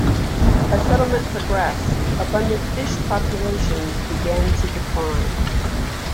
As settlement progressed, abundant fish populations began to decline.